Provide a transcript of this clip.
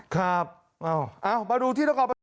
ครับ